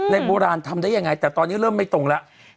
โบราณทำได้ยังไงแต่ตอนนี้เริ่มไม่ตรงแล้ว